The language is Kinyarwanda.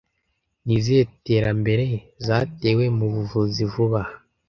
Ni izihe terambere zatewe mu buvuzi vuba aha?